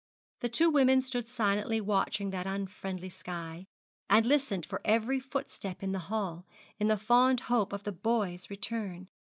The two women stood silently watching that unfriendly sky, and listened for every footstep in the hall, in the fond hope of the boy's return.